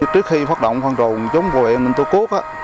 trước khi phát động phân trùng chống vệ ninh tô quốc